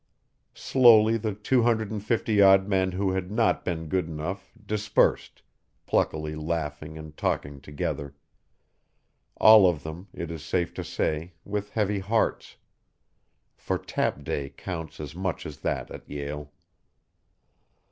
Slowly the two hundred and fifty odd men who had not been good enough dispersed, pluckily laughing and talking together all of them, it is safe to say, with heavy hearts; for Tap Day counts as much as that at Yale.